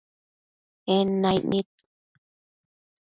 En naic nid